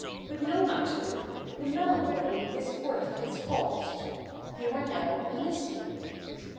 But no matter. The melancholy is worth its cost. You are now a mystery.